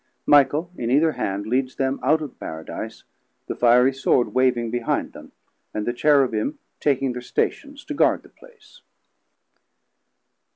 Michael in either hand leads them out of Paradise, the fiery Sword waving behind them, and the Cherubim taking thir Stations to guard the Place.